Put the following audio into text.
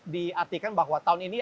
diartikan bahwa tahun ini